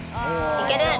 いける！